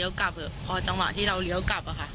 ก็เลยบอกเออเลี้ยวกลับเออพอจังหวะที่เราเลี้ยวกลับอะค่ะ